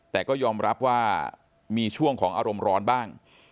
แต่ก็ยอมรับว่ามีช่วงของอารมณ์ร้อนบ้าง